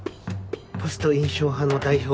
ポスト印象派の代表